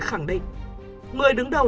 khẳng định người đứng đầu